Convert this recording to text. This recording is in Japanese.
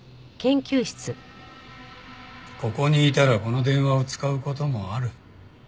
ここにいたらこの電話を使う事もある。